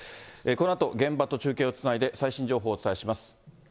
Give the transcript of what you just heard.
このあと現場と中継をつないで、最新情報をお伝えします。